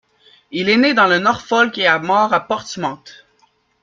Il est né à dans le Norfolk et mort à Portsmouth.